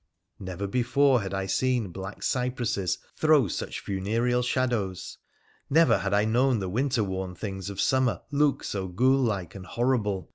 Never before had I seen black cypresses throw such funereal shadows ; never had I known the winter worn things of summer look so ghoul like and horrible